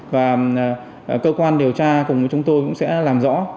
và cơ quan điều tra cùng với chúng tôi cũng sẽ làm rõ